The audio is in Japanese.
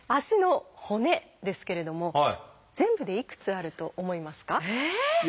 足の骨ですけれども全部でいくつあると思いますか？